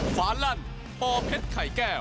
ฝานรันพอเพชรไข่แก้ว